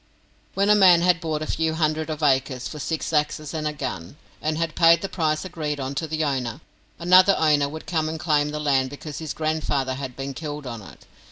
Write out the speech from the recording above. When a man had bought a few hundreds of acres for six axes and a gun, and had paid the price agreed on to the owner, another owner would come and claim the land because his grandfather had been killed on it.